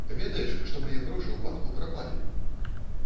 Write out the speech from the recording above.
Ведаеш, што мае грошы ў банку прапалі?